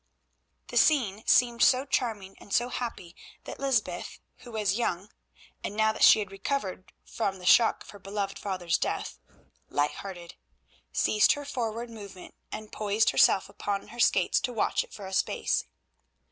The scene seemed so charming and so happy that Lysbeth, who was young, and now that she had recovered from the shock of her beloved father's death, light hearted, ceased her forward movement and poised herself upon her skates to watch it for a space.